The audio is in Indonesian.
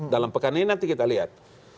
dalam pekan ini nanti kita lihat